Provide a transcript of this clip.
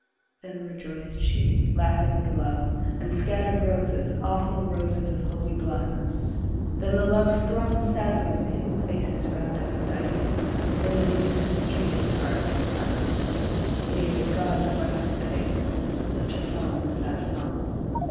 Then rejoiced she, laughing with love, and scattered Roses, awful roses of holy blossom; Then the Loves thronged sadly with hidden faces Round Aphrodite, Then the Muses, stricken at heart, were silent; Yea, the gods waxed pale; such a song was that song.